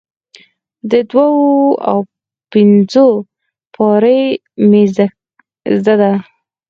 د دوو او پنځو پاړۍ مې زده ده،